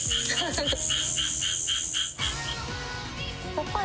やっぱり。